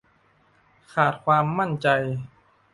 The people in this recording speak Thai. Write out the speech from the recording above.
ขาดความมั่นใจ